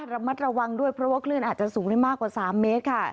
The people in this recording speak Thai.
ระมัดระวังด้วยเพราะว่าคลื่นอาจจะสูงได้มากกว่า๓เมตรค่ะ